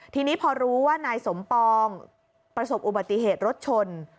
ทีนี้พอรู้ว่านายสมปองประสบอุบัติเหตุรถชน